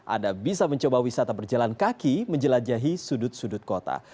anda bisa mencoba wisata berjalan kaki menjelajahi sudut sudut kota